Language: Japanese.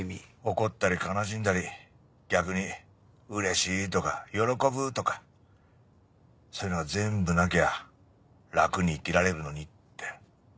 怒ったり悲しんだり逆にうれしいとか喜ぶとかそういうのが全部なきゃ楽に生きられるのにって。